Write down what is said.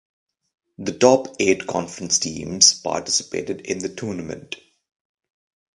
The top eight conference teams participated in the tournament.